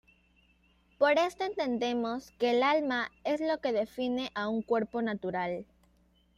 Por esto entendemos que el alma es lo que define a un cuerpo natural.